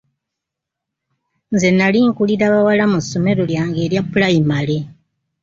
Nze nali nkulira bawala mu ssomero lyange erya pulayimale.